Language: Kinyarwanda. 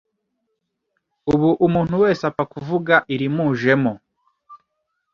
Ubu umuntu wese apfa kuvuga irimujemo